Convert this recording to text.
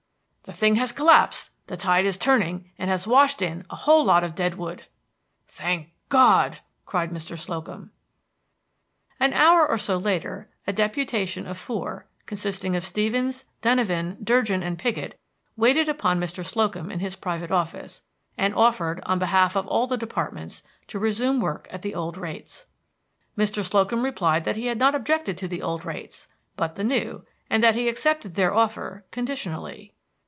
"The thing has collapsed! The tide is turning, and has washed in a lot of dead wood!" "Thank God!" cried Mr. Slocum. An hour or so later a deputation of four, consisting of Stevens, Denyven, Durgin, and Piggott, waited upon Mr. Slocum in his private office, and offered, on behalf of all the departments, to resume work at the old rates. Mr. Slocum replied that he had not objected to the old rates, but the new, and that he accepted their offer conditionally.